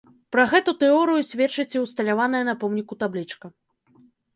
Пра гэту тэорыю сведчыць і ўсталяваная на помніку таблічка.